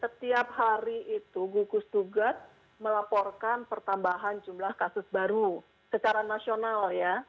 setiap hari itu gugus tugas melaporkan pertambahan jumlah kasus baru secara nasional ya